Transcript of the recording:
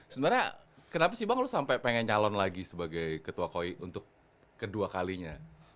sebenarnya kenapa sih bang lo sampai pengen calon lagi sebagai ketua koi untuk kedua kalinya